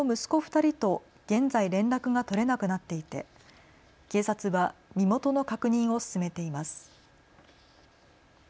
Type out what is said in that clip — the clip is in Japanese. ２人と現在、連絡が取れなくなっていて警察は身元の確認を進めています。